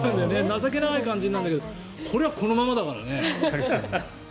情けない感じなるんだけどこれはこのままだからね。